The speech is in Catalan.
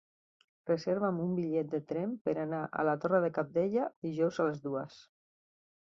Reserva'm un bitllet de tren per anar a la Torre de Cabdella dijous a les dues.